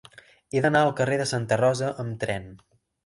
He d'anar al carrer de Santa Rosa amb tren.